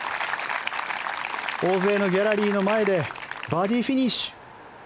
大勢のギャラリーの前でバーディーフィニッシュ。